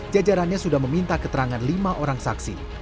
jajarannya sudah meminta keterangan lima orang saksi